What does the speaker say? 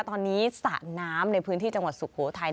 ตอนนี้สระน้ำในพื้นที่จังหวัดสุโขทัย